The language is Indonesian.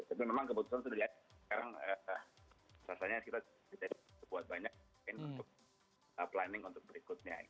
tapi memang keputusan sudah diambil sekarang rasanya kita bisa buat banyak planning untuk berikutnya